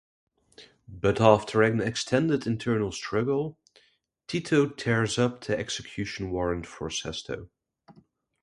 But after an extended internal struggle, Tito tears up the execution warrant for Sesto.